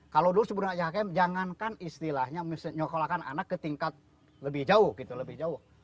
kalau dulu sebelum naik jangankan istilahnya nyokolakan anak ke tingkat lebih jauh gitu lebih jauh